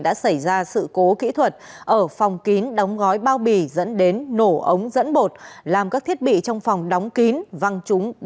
đã xảy ra sự cố kỹ thuật ở phòng kín đóng gói bao bì dẫn đến nổ ống dẫn bột làm các thiết bị trong phòng đóng kín văng trúng